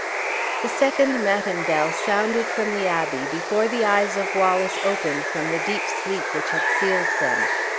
The second matin bell sounded from the abbey before the eyes of Wallace opened from the deep sleep which had sealed them.